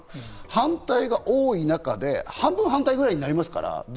反対が多い中で半分反対ぐらいになりますから。